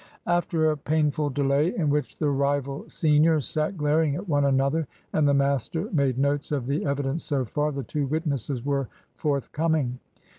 After a painful delay, in which the rival seniors sat glaring at one another, and the master made notes of the evidence so far, the two witnesses were forthcoming.